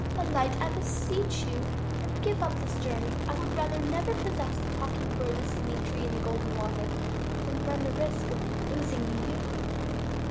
Alight, I beseech you, and give up this journey. I would rather never possess the Talking Bird, the Singing Tree and the Golden Water than run the risk of losing you."